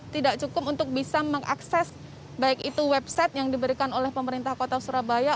tidak cukup untuk bisa mengakses baik itu website yang diberikan oleh pemerintah kota surabaya